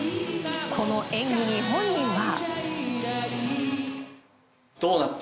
この演技に、本人は。